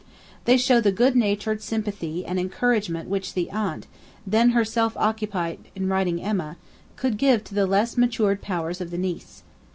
They show the good natured sympathy and encouragement which the aunt, then herself occupied in writing 'Emma,' could give to the less matured powers of the niece.